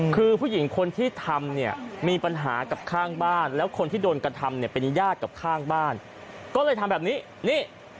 คือผู้หญิงคนที่ทำเนี่ยมีปัญหากับข้างบ้านแล้วคนที่โดนกระทำเนี่ยเป็นญาติกับข้างบ้านก็เลยทำแบบนี้นี่